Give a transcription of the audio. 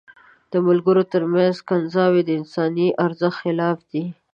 د ملګرو تر منځ کنځاوي د انساني ارزښت خلاف دي.